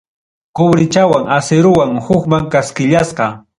Cobrechawan acerowan hukman kaskillasqa.